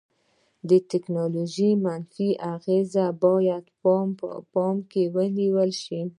د ټیکنالوژي منفي اغیزې باید په پام کې ونیول شي.